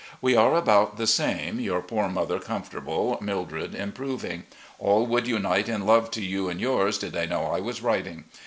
We are about the same — ^yotm poor mother comfortable, Mildred improving. All would \tnite in love to you and yours, did they know I was writing.